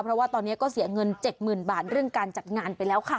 เพราะว่าตอนนี้ก็เสียเงิน๗๐๐๐บาทเรื่องการจัดงานไปแล้วค่ะ